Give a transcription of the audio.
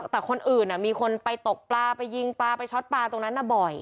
แต่คนอื่นมีคนไปตกปลาไปยิงปลาไปช็อตปลาตรงนั้นบ่อย